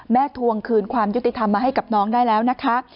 ทวงคืนความยุติธรรมมาให้กับน้องได้แล้วนะคะ